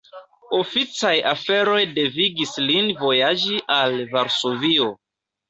Oficaj aferoj devigis lin vojaĝi al Varsovio.